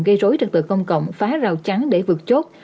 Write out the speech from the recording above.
gây rối trật tự công cộng phá rào chắn để vượt chốt